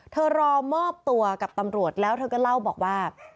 รอมอบตัวกับตำรวจแล้วเธอก็เล่าบอกว่า